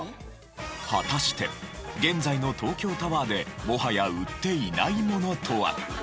果たして現在の東京タワーでもはや売っていないものとは？